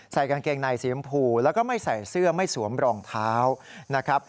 กางเกงในสีชมพูแล้วก็ไม่ใส่เสื้อไม่สวมรองเท้านะครับ